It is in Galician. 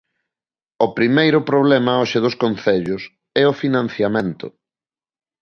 O primeiro problema hoxe dos concellos é o financiamento.